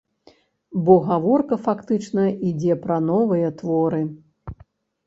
Бо гаворка, фактычна, ідзе пра новыя творы.